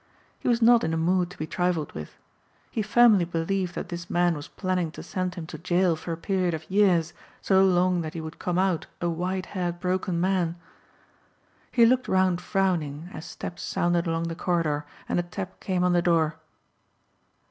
He was not in a mood to be trifled with. He firmly believed that this man was planning to send him to gaol for a period of years so long that he would come out a whitehaired broken man. He looked round frowning as steps sounded along the corridor and a tap came on the door.